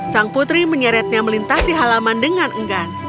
sang putri menyeretnya melintasi halaman dengan enggan